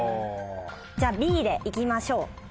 じゃあＢで行きましょう。